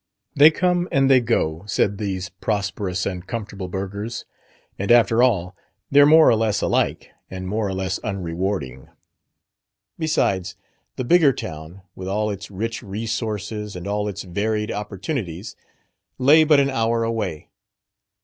"They come, and they go," said these prosperous and comfortable burghers; "and, after all, they're more or less alike, and more or less unrewarding." Besides, the Bigger Town, with all its rich resources and all its varied opportunities, lay but an hour away.